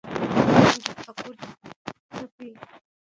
په باطن کې تفکر ځپي